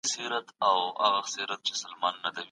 د کار کیفیت د ښوونې له لاري بهتریږي.